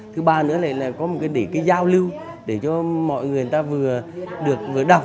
thứ ba nữa là có một cái để cái giao lưu để cho mọi người ta vừa được vừa đọc